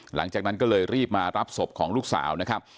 หลังจากนั้นก็เลยรีบมารับศพของลูกสาวนะครับ